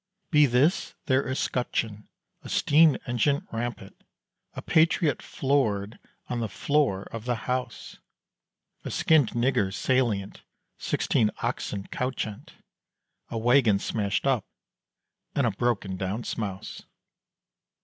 Be this their escutcheon: A steam engine rampant, A patriot floored on the floor of the "House," A skinned nigger salient sixteen oxen couchant, A waggon smashed up, and a broken down smouse.